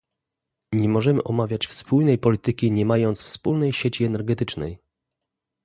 Nie możemy omawiać wspólnej polityki nie mając wspólnej sieci energetycznej